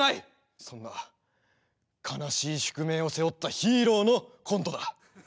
そんな悲しい宿命を背負ったヒーローのコントだ！